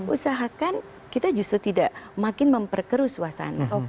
usahakan kita justru tidak makin memperkeru suasana